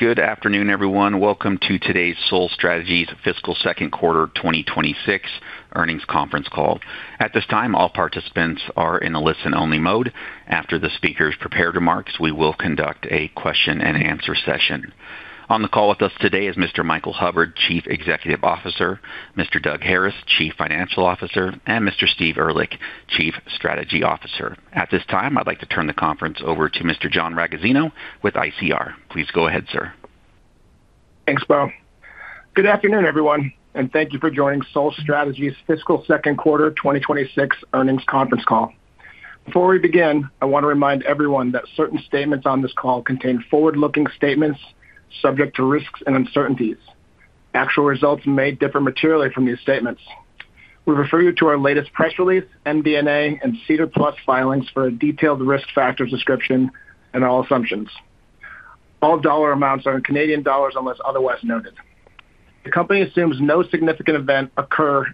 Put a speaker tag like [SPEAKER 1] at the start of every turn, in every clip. [SPEAKER 1] Good afternoon, everyone. Welcome to today's Sol Strategies' fiscal second quarter 2026 earnings conference call. At this time, all participants are in a listen-only mode. After the speaker's prepared remarks, we will conduct a question-and-answer session. On the call with us today is Mr. Michael Hubbard, Chief Executive Officer, Mr. Doug Harris, Chief Financial Officer, and Mr. Steve Ehrlich, Chief Strategy Officer. At this time, I'd like to turn the conference over to Mr. John Ragozzino with ICR. Please go ahead, sir.
[SPEAKER 2] Thanks, Beau. Good afternoon, everyone, thank you for joining Sol Strategies' fiscal second quarter 2026 earnings conference call. Before we begin, I want to remind everyone that certain statements on this call contain forward-looking statements subject to risks and uncertainties. Actual results may differ materially from these statements. We refer you to our latest press release, MD&A, and SEDAR+ filings for a detailed risk factor description and all assumptions. All dollar amounts are in Canadian dollars unless otherwise noted. The company assumes no significant events occur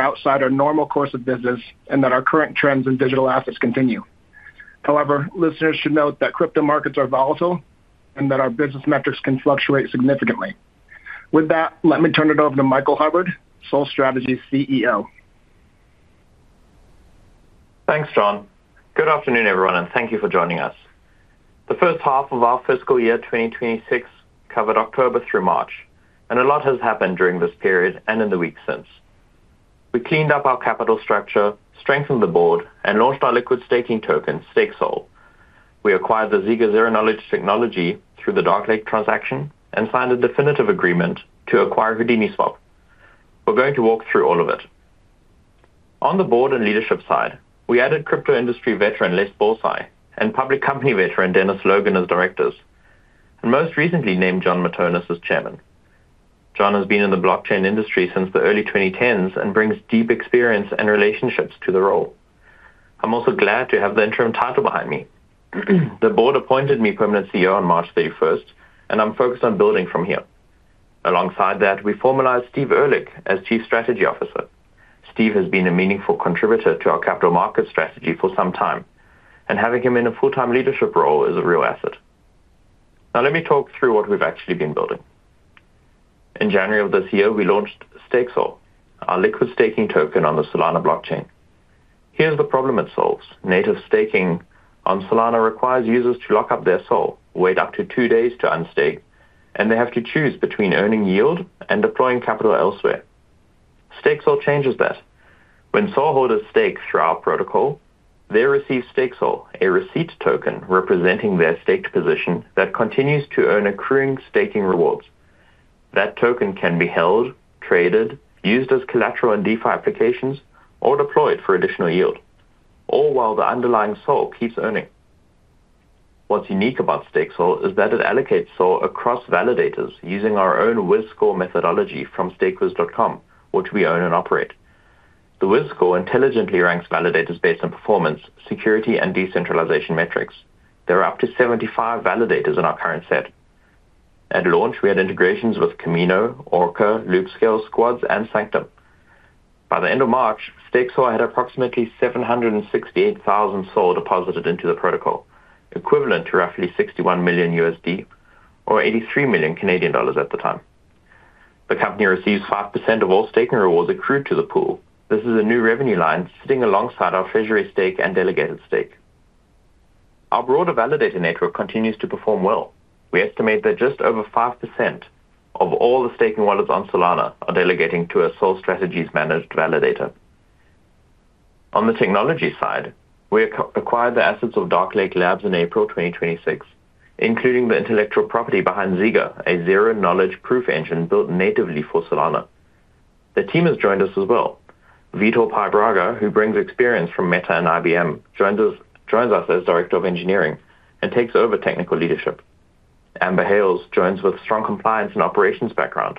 [SPEAKER 2] outside our normal course of business and that our current trends in digital assets continue. Listeners should note that crypto markets are volatile and that our business metrics can fluctuate significantly. With that, let me turn it over to Michael Hubbard, Sol Strategies' CEO.
[SPEAKER 3] Thanks, John. Good afternoon, everyone, and thank you for joining us. The first half of our fiscal year 2026 covered October through March. A lot has happened during this period and in the weeks since. We cleaned up our capital structure, strengthened the board, and launched our liquid staking token, STKESOL. We acquired the Zyga zero-knowledge technology through the Darklake transaction and signed a definitive agreement to acquire Houdini Swap. We're going to walk through all of it. On the board and leadership side, we added crypto industry veteran Laszlo Borsai and public company veteran Dennis Logan as Directors. Most recently named Jon Matonis as Chairman. Jon has been in the blockchain industry since the early 2010s and brings deep experience and relationships to the role. I'm also glad to have the interim title behind me. The board appointed me permanent CEO on March 31st, and I'm focused on building from here. Alongside that, we formalized Steve Ehrlich as Chief Strategy Officer. Steve has been a meaningful contributor to our capital market strategy for some time, and having him in a full-time leadership role is a real asset. Now let me talk through what we've actually been building. In January of this year, we launched STKESOL, our liquid staking token on the Solana blockchain. Here's the problem it solves. Native staking on Solana requires users to lock up their SOL, wait up to two days to unstake, and they have to choose between earning yield and deploying capital elsewhere. STKESOL changes that. When SOL holders stake through our protocol, they receive STKESOL, a receipt token representing their staked position that continues to earn accruing staking rewards. That token can be held, traded, used as collateral in DeFi applications, or deployed for additional yield, all while the underlying SOL keeps earning. What's unique about STKESOL is that it allocates SOL across validators using our own Wiz Score methodology from stakewiz.com, which we own and operate. The Wiz Score intelligently ranks validators based on performance, security, and decentralization metrics. There are up to 75 validators in our current set. At launch, we had integrations with Kamino, Orca, Loopscale, Squads, and Sanctum. By the end of March, STKESOL had approximately 768,000 SOL deposited into the protocol, equivalent to roughly $61 million or 83 million Canadian dollars at the time. The company receives 5% of all staking rewards accrued to the pool. This is a new revenue line sitting alongside our treasury stake and delegated stake. Our broader validator network continues to perform well. We estimate that just over 5% of all the staking wallets on Solana are delegating to a Sol Strategies managed validator. On the technology side, we acquired the assets of Darklake Labs in April 2026, including the intellectual property behind Zyga, a zero-knowledge proof engine built natively for Solana. The team has joined us as well. Vitor Py Braga, who brings experience from Meta and IBM, joins us as Director of Engineering and takes over technical leadership. Amber Hales joins with strong compliance and operations background.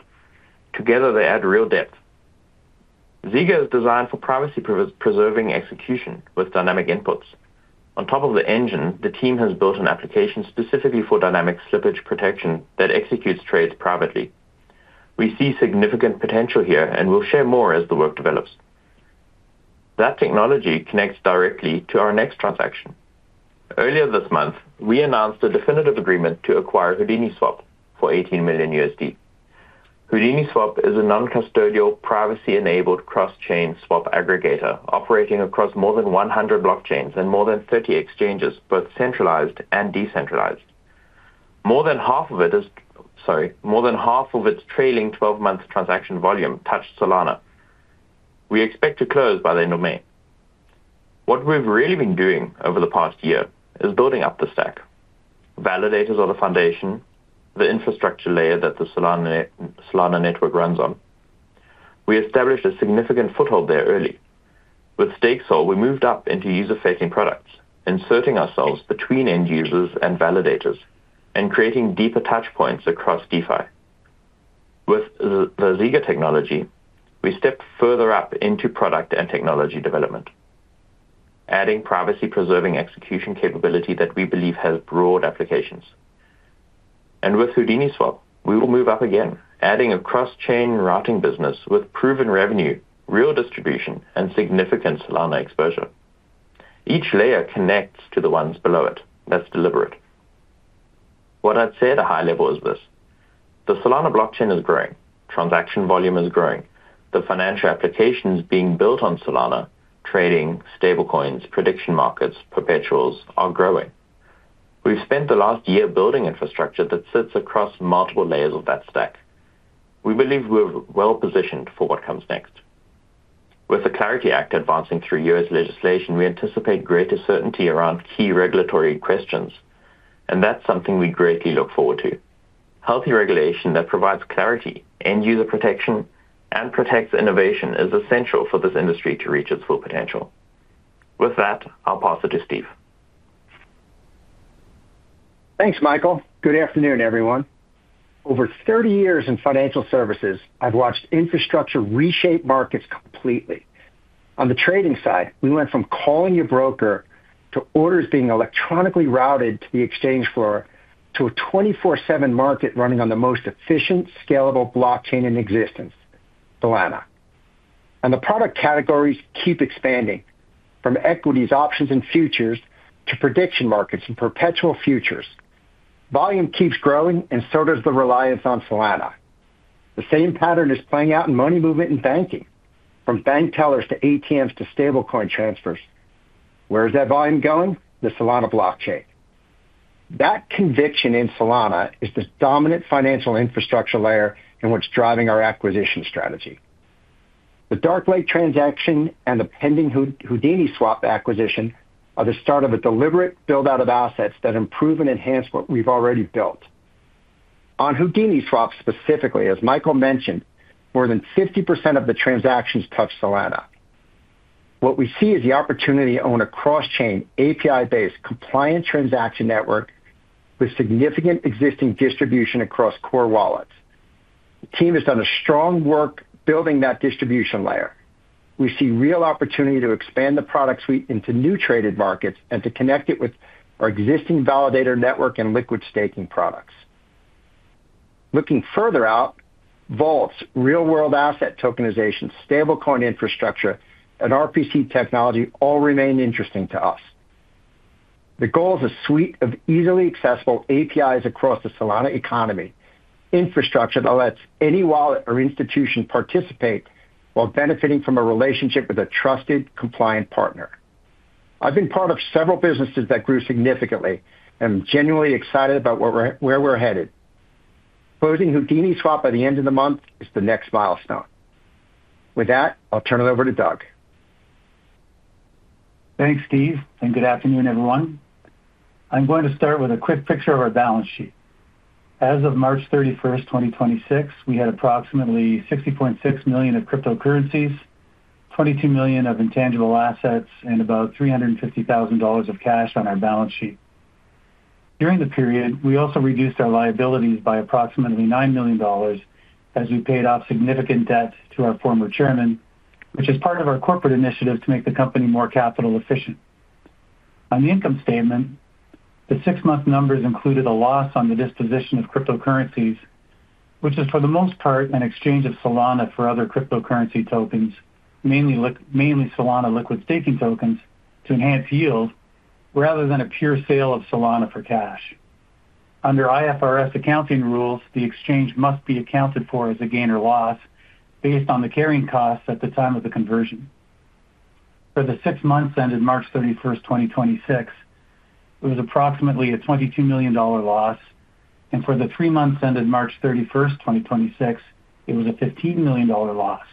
[SPEAKER 3] Together, they add real depth. Zyga is designed for privacy preserving execution with dynamic inputs. On top of the engine, the team has built an application specifically for dynamic slippage protection that executes trades privately. We see significant potential here, and we'll share more as the work develops. That technology connects directly to our next transaction. Earlier this month, we announced a definitive agreement to acquire Houdini Swap for $18 million. Houdini Swap is a non-custodial, privacy-enabled cross-chain swap aggregator operating across more than 100 blockchains and more than 30 exchanges, both centralized and decentralized. More than half of its trailing 12-month transaction volume touched Solana. We expect to close by the end of May. What we've really been doing over the past year is building up the stack. Validators are the foundation, the infrastructure layer that the Solana network runs on. We established a significant foothold there early. With STKESOL, we moved up into user-facing products, inserting ourselves between end users and validators and creating deeper touchpoints across DeFi. With the Zyga technology, we stepped further up into product and technology development, adding privacy-preserving execution capability that we believe has broad applications. With Houdini Swap, we will move up again, adding a cross-chain routing business with proven revenue, real distribution, and significant Solana exposure. Each layer connects to the ones below it. That's deliberate. What I'd say at a high level is this: the Solana blockchain is growing, transaction volume is growing, the financial applications being built on Solana, trading stablecoins, prediction markets, perpetuals are growing. We've spent the last year building infrastructure that sits across multiple layers of that stack. We believe we're well-positioned for what comes next. With the Clarity Act advancing through U.S. legislation, we anticipate greater certainty around key regulatory questions, and that's something we greatly look forward to. Healthy regulation that provides clarity, end-user protection, and protects innovation is essential for this industry to reach its full potential. With that, I'll pass it to Steve.
[SPEAKER 4] Thanks, Michael. Good afternoon, everyone. Over 30 years in financial services, I've watched infrastructure reshape markets completely. On the trading side, we went from calling your broker to orders being electronically routed to the exchange floor to a 24/7 market running on the most efficient, scalable blockchain in existence, Solana. The product categories keep expanding from equities, options, and futures to prediction markets and perpetual futures. Volume keeps growing, so does the reliance on Solana. The same pattern is playing out in money movement and banking, from bank tellers to ATMs to stablecoin transfers. Where is that volume going? The Solana blockchain. That conviction in Solana is this dominant financial infrastructure layer and what's driving our acquisition strategy. The Darklake transaction and the pending Houdini Swap acquisition are the start of a deliberate build-out of assets that improve and enhance what we've already built. On Houdini Swap specifically, as Michael mentioned, more than 50% of the transactions touch Solana. What we see is the opportunity to own a cross-chain, API-based compliant transaction network with significant existing distribution across core wallets. The team has done a strong work building that distribution layer. We see real opportunity to expand the product suite into new traded markets and to connect it with our existing validator network and liquid staking products. Looking further out, vaults real-world asset tokenization, stablecoin infrastructure, and RPC technology all remain interesting to us. The goal is a suite of easily accessible APIs across the Solana economy, infrastructure that lets any wallet or institution participate while benefiting from a relationship with a trusted, compliant partner. I've been part of several businesses that grew significantly and genuinely excited about where we're headed. Closing Houdini Swap by the end of the month is the next milestone. With that, I'll turn it over to Doug.
[SPEAKER 5] Thanks, Steve. Good afternoon, everyone. I'm going to start with a quick picture of our balance sheet. As of March 31st, 2026, we had approximately 60.6 million of cryptocurrencies, 22 million of intangible assets, and about 350,000 dollars of cash on our balance sheet. During the period, we also reduced our liabilities by approximately 9 million dollars as we paid off significant debt to our former Chairman, which is part of our corporate initiative to make the company more capital efficient. On the income statement, the six-month numbers included a loss on the disposition of cryptocurrencies, which is, for the most part, an exchange of Solana for other cryptocurrency tokens, mainly Solana liquid staking tokens to enhance yield rather than a pure sale of Solana for cash. Under IFRS accounting rules, the exchange must be accounted for as a gain or loss based on the carrying costs at the time of the conversion. For the six months ended March 31st, 2026, it was approximately a 22 million dollar loss, and for the three months ended March 31st, 2026, it was a 15 million dollar loss.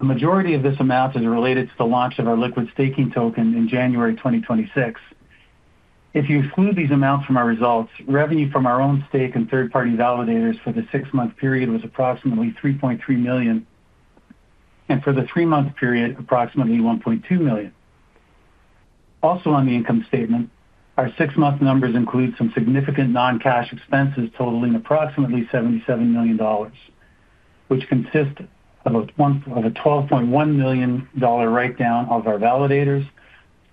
[SPEAKER 5] The majority of this amount is related to the launch of our liquid staking token in January 2026. If you exclude these amounts from our results, revenue from our own stake and third-party validators for the six-month period was approximately 3.3 million, and for the three-month period, approximately 1.2 million. On the income statement, our six-month numbers include some significant non-cash expenses totaling approximately 77 million dollars, which consist of a 12.1 million dollar write-down of our validators,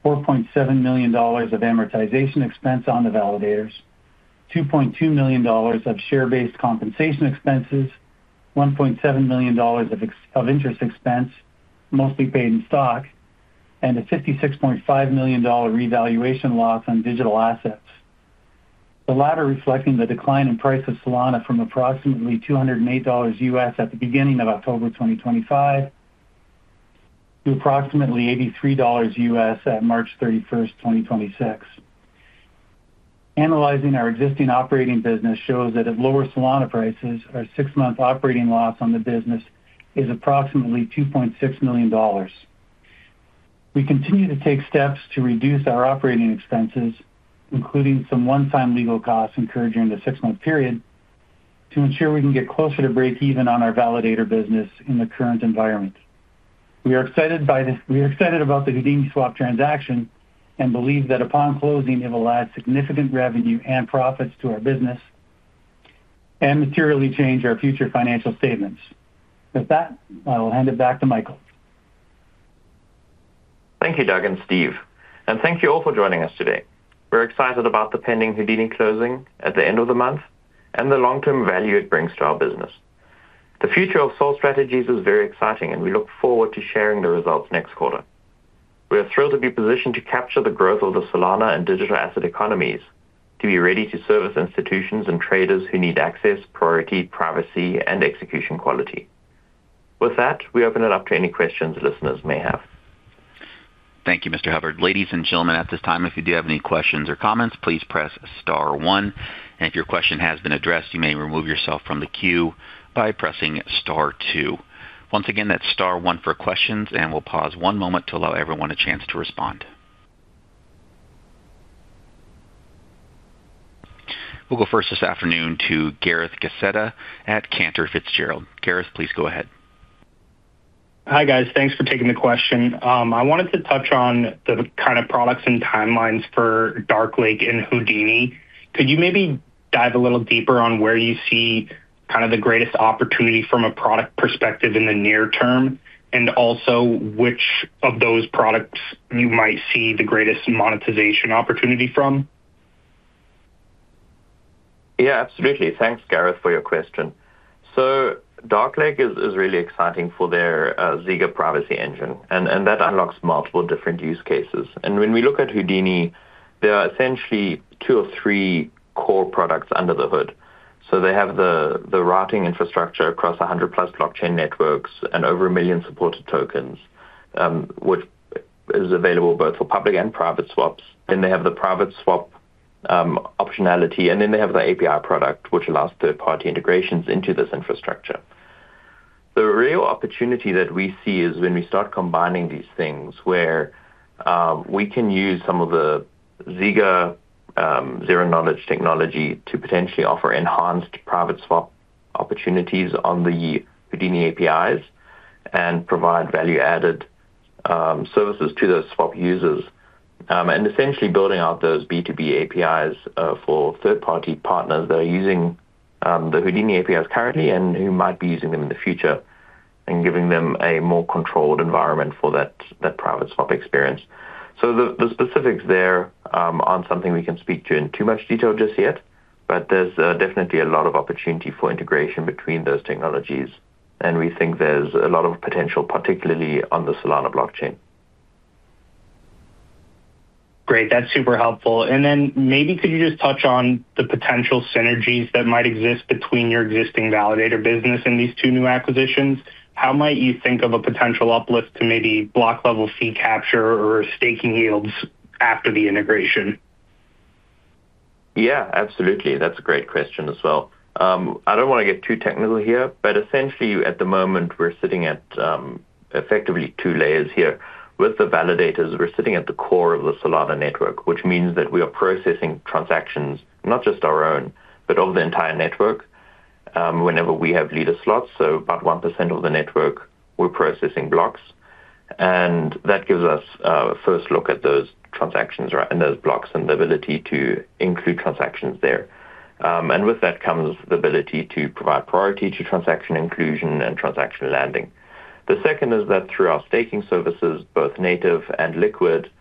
[SPEAKER 5] 4.7 million dollars of amortization expense on the validators, 2.2 million dollars of share-based compensation expenses, 1.7 million dollars of interest expense, mostly paid in stock, and a 56.5 million dollar revaluation loss on digital assets. The latter reflecting the decline in price of Solana from approximately $208 at the beginning of October 2025 to approximately $83 at March 31st, 2026. Analyzing our existing operating business shows that at lower Solana prices, our six-month operating loss on the business is approximately 2.6 million dollars. We continue to take steps to reduce our operating expenses, including some one-time legal costs incurred during the six-month period, to ensure we can get closer to breakeven on our validator business in the current environment. We are excited about the Houdini Swap transaction and believe that upon closing, it will add significant revenue and profits to our business and materially change our future financial statements. With that, I will hand it back to Michael.
[SPEAKER 3] Thank you, Doug and Steve, and thank you all for joining us today. We're excited about the pending Houdini closing at the end of the month and the long-term value it brings to our business. The future of Sol Strategies is very exciting, and we look forward to sharing the results next quarter. We are thrilled to be positioned to capture the growth of the Solana and digital asset economies to be ready to service institutions and traders who need access, priority, privacy, and execution quality. With that, we open it up to any questions listeners may have.
[SPEAKER 1] Thank you, Mr. Hubbard. Ladies and gentlemen, at this time, if you do have any questions or comments, please press star one. If your question has been addressed, you may remove yourself from the queue by pressing star two. Once again, that's star one for questions, and we'll pause one moment to allow everyone a chance to respond. We'll go first this afternoon to Gareth Gacetta at Cantor Fitzgerald. Gareth, please go ahead.
[SPEAKER 6] Hi, guys. Thanks for taking the question. I wanted to touch on the kind of products and timelines for Darklake and Houdini. Could you maybe dive a little deeper on where you see kind of the greatest opportunity from a product perspective in the near term and also which of those products you might see the greatest monetization opportunity from?
[SPEAKER 3] Yeah, absolutely. Thanks, Gareth, for your question. Darklake is really exciting for their Zyga privacy engine and that unlocks multiple different use cases. When we look at Houdini, there are essentially two or three core products under the hood. They have the routing infrastructure across 100+ blockchain networks and over 1 million supported tokens, which is available both for public and private swaps. Then they have the private swap optionality, and then they have the API product, which allows third-party integrations into this infrastructure. The real opportunity that we see is when we start combining these things where we can use some of the Zyga zero-knowledge technology to potentially offer enhanced private swap opportunities on the Houdini APIs and provide value-added services to those swap users. And essentially building out those B2B APIs for third-party partners that are using the Houdini APIs currently and who might be using them in the future and giving them a more controlled environment for that private swap experience. The specifics there aren't something we can speak to in too much detail just yet, but there's definitely a lot of opportunity for integration between those technologies, and we think there's a lot of potential, particularly on the Solana blockchain.
[SPEAKER 6] Great. That's super helpful. Maybe could you just touch on the potential synergies that might exist between your existing validator business and these two new acquisitions? How might you think of a potential uplift to maybe block level fee capture or staking yields after the integration?
[SPEAKER 3] Absolutely. That's a great question as well. I don't want to get too technical here, but essentially at the moment, we're sitting at effectively two layers here. With the validators, we're sitting at the core of the Solana network, which means that we are processing transactions, not just our own, but of the entire network whenever we have leader slots. About 1% of the network, we're processing blocks. That gives us first look at those transactions, right, and those blocks and the ability to include transactions there. With that comes the ability to provide priority to transaction inclusion and transaction landing. The second is that through our staking services, both native and liquid,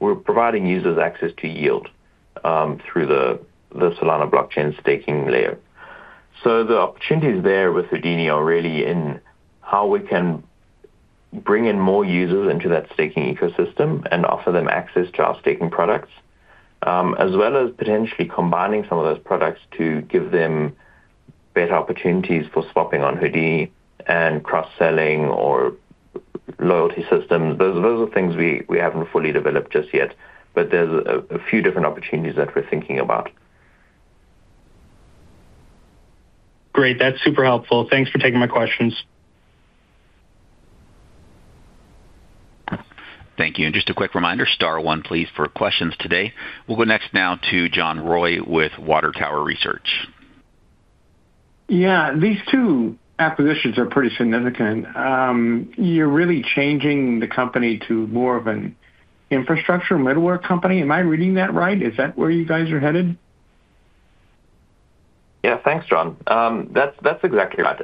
[SPEAKER 3] we're providing users access to yield through the Solana blockchain staking layer. The opportunities there with Houdini are really in how we can bring in more users into that staking ecosystem and offer them access to our staking products, as well as potentially combining some of those products to give them better opportunities for swapping on Houdini and cross-selling or loyalty systems. Those are things we haven't fully developed just yet, but there's a few different opportunities that we're thinking about.
[SPEAKER 6] Great. That's super helpful. Thanks for taking my questions.
[SPEAKER 1] Thank you. Just a quick reminder, star one, please, for questions today. We'll go next now to John Roy with Water Tower Research.
[SPEAKER 7] Yeah. These two acquisitions are pretty significant. You're really changing the company to more of an infrastructure middleware company. Am I reading that right? Is that where you guys are headed?
[SPEAKER 3] Yeah. Thanks, John. That's exactly right.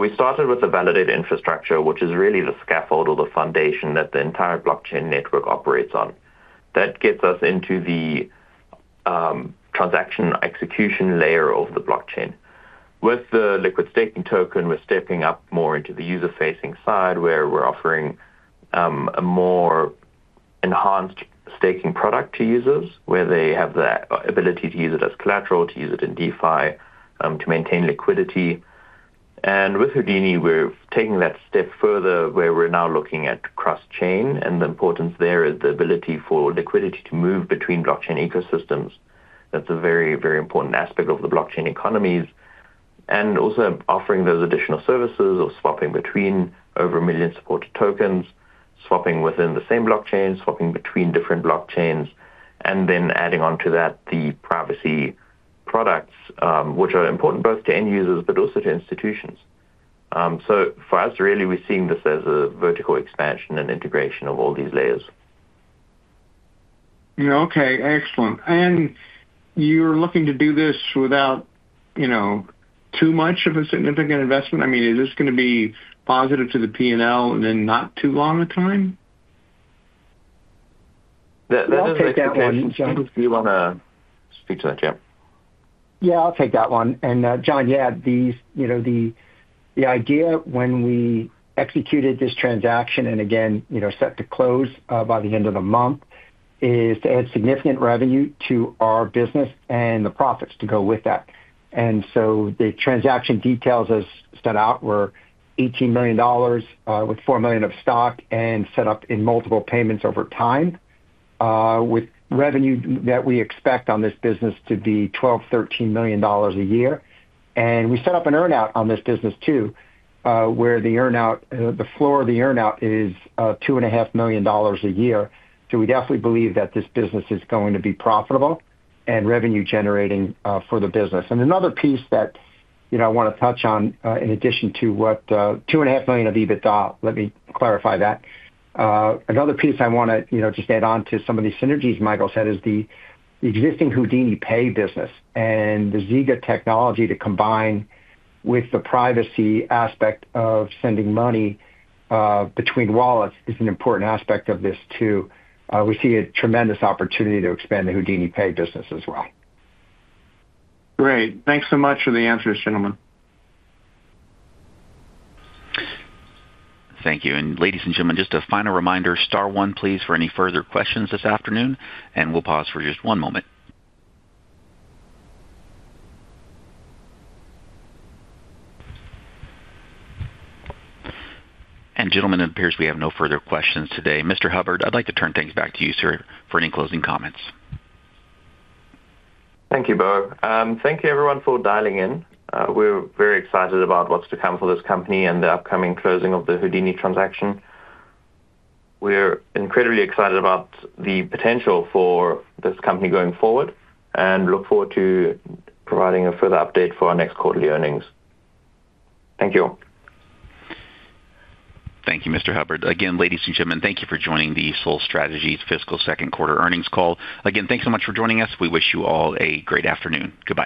[SPEAKER 3] We started with the validated infrastructure, which is really the scaffold or the foundation that the entire blockchain network operates on. That gets us into the transaction execution layer of the blockchain. With the liquid staking token, we're stepping up more into the user-facing side where we're offering a more enhanced staking product to users where they have the ability to use it as collateral, to use it in DeFi, to maintain liquidity. With Houdini, we're taking that step further where we're now looking at cross-chain, and the importance there is the ability for liquidity to move between blockchain ecosystems. That's a very, very important aspect of the blockchain economies, and also offering those additional services of swapping between over 1 million supported tokens, swapping within the same blockchain, swapping between different blockchains, and then adding onto that the privacy products, which are important both to end users but also to institutions. For us really, we're seeing this as a vertical expansion and integration of all these layers.
[SPEAKER 7] Yeah. Okay, excellent. You're looking to do this without, you know, too much of a significant investment? I mean, is this gonna be positive to the P&L within not too long a time?
[SPEAKER 3] That.
[SPEAKER 4] I'll take that one, John.
[SPEAKER 3] Do you wanna speak to that, Steve?
[SPEAKER 4] I'll take that one. John, yeah, these, you know, the idea when we executed this transaction, and again, you know, set to close by the end of the month, is to add significant revenue to our business and the profits to go with that. The transaction details as set out were 18 million dollars, with 4 million of stock and set up in multiple payments over time, with revenue that we expect on this business to be 12 million-13 million dollars a year. We set up an earn-out on this business too, where the earn-out, the floor of the earn-out is 2.5 million dollars a year. We definitely believe that this business is going to be profitable and revenue generating for the business. Another piece that, you know, I wanna touch on, in addition to what, 2.5 million of EBITDA, let me clarify that. Another piece I wanna, you know, just add on to some of these synergies Michael said is the existing Houdini Pay business and the Zyga technology to combine with the privacy aspect of sending money between wallets is an important aspect of this too. We see a tremendous opportunity to expand the Houdini Pay business as well.
[SPEAKER 7] Great. Thanks so much for the answers, gentlemen.
[SPEAKER 1] Thank you. Ladies and gentlemen, just a final reminder, star one, please, for any further questions this afternoon, and we'll pause for just one moment. Gentlemen, it appears we have no further questions today. Mr. Hubbard, I'd like to turn things back to you, sir, for any closing comments.
[SPEAKER 3] Thank you, Beau. Thank you everyone for dialing in. We're very excited about what's to come for this company and the upcoming closing of the Houdini transaction. We're incredibly excited about the potential for this company going forward, and look forward to providing a further update for our next quarterly earnings. Thank you.
[SPEAKER 1] Thank you, Mr. Hubbard. Again, ladies and gentlemen, thank you for joining the Sol Strategies' fiscal second quarter earnings call. Again, thanks so much for joining us. We wish you all a great afternoon. Goodbye